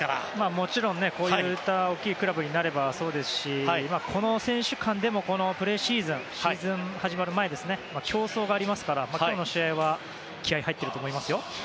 もちろん、こういった大きいクラブになればそうですしこの選手間でもプレシーズンシーズンが始まる前競争がありますから今日の試合は気合が入ってると思いますよ。